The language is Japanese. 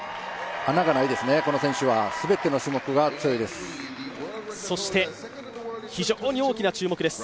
穴がないですね、この選手は全ての種目が強いです。